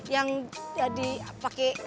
yang jadi pake